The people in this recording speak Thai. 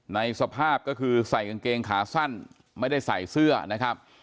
ในสภาพก็คือใส่กางเกงขาสั้นไม่ได้ใส่เสื้อนะครับ